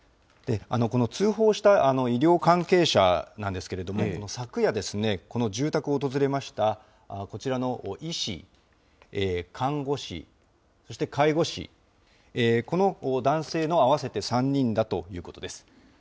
この通報した医療関係者なんですけれども、昨夜、この住宅を訪れましたこちらの医師、看護師、そして介護士、この男性の合わせて３人だということです。